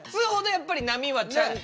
やっぱり波はちゃんと。